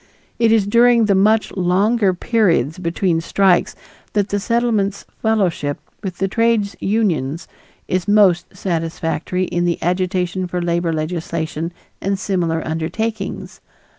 It is during the much longer periods between strikes that the Settlement's fellowship with trades unions is most satisfactory in the agitation for labor legislation and similar undertakings.